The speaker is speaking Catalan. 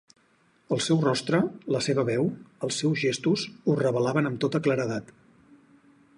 El seu rostre, la seva veu, els seus gestos ho revelaven amb tota claredat.